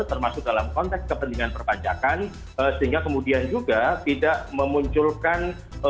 termasuk dalam konteks kepentingan perpajakan sehingga kemudian juga tidak memunculkan